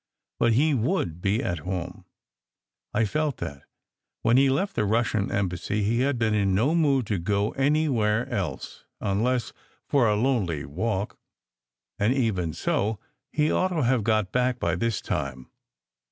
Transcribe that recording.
But he would be at home ! I felt that, when he left the Russian Embassy, he had been in no mood to go anywhere else, unless for a lonely walk; and, even so, he ought to have got back by this time.